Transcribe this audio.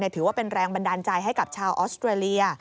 ถือว่าเป็นแรงบันดาลใจให้กับชาวออสเตรเลีย